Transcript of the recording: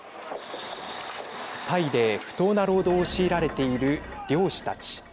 タイで不当な労働を強いられている漁師たち。